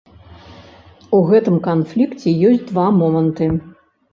У гэтым канфлікце ёсць два моманты.